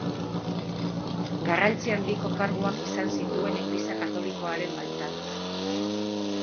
Garrantzi handiko karguak izan zituen Eliza Katolikoaren baitan.